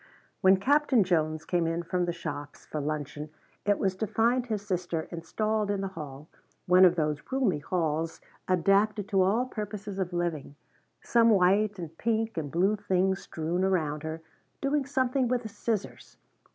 When Captain Jones came in from the shops for luncheon it was to find his sister installed in the hall, one of those roomy halls adapted to all purposes of living, some white and pink and blue things strewn around her, doing something with a scissors.